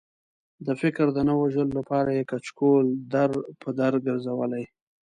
د فکر د نه وژلو لپاره یې کچکول در په در ګرځولی.